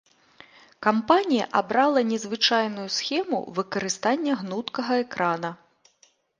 Кампанія абрала незвычайную схему выкарыстання гнуткага экрана.